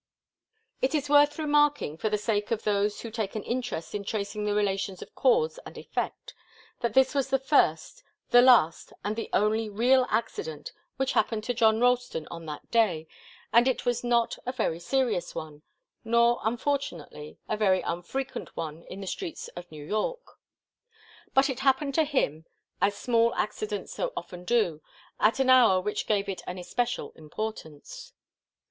It is worth remarking, for the sake of those who take an interest in tracing the relations of cause and effect, that this was the first, the last and the only real accident which happened to John Ralston on that day, and it was not a very serious one, nor, unfortunately, a very unfrequent one in the streets of New York. But it happened to him, as small accidents so often do, at an hour which gave it an especial importance.